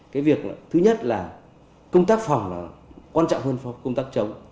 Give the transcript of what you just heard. cái việc thứ nhất là công tác phòng là quan trọng hơn công tác chống